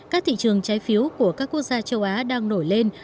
các thị trường trái phiếu của các quốc gia châu á đang nổi lên